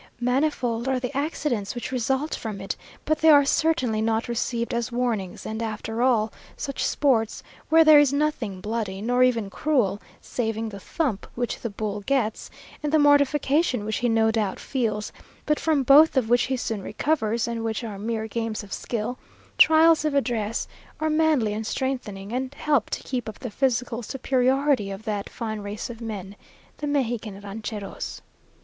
Manifold are the accidents which result from it, but they are certainly not received as warnings; and after all, such sports, where there is nothing bloody, nor even cruel, saving the thump which the bull gets, and the mortification which he no doubt feels, but from both of which he soon recovers; and which are mere games of skill, trials of address are manly and strengthening, and help to keep up the physical superiority of that fine race of men the Mexican rancheros.